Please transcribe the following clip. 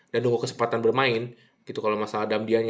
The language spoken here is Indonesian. dan nunggu kesempatan bermain gitu kalau masalah damm dia nya